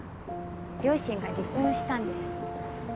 両親が離婚したんです。